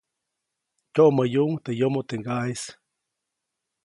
Tyoʼmäyuʼuŋ teʼ yomo teʼ ŋgaʼeʼis.